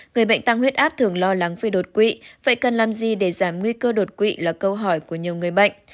người bệnh tăng huyết áp thường lo lắng về đột quỵ vậy cần làm gì để giảm nguy cơ đột quỵ là câu hỏi của nhiều người bệnh